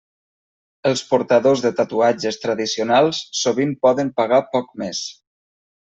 Els portadors de tatuatges tradicionals sovint poden pagar poc més.